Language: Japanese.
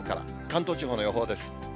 関東地方の予報です。